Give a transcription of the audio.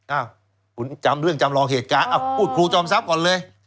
อ้าวคุณจำเรื่องจำลองเหตุการณ์พูดครูจอมทรัพย์ก่อนเลย